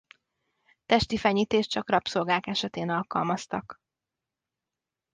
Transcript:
Testi fenyítést csak rabszolgák esetén alkalmaztak.